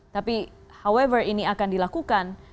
tapi hawever ini akan dilakukan